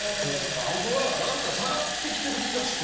僕は何か下がってきてる気がして。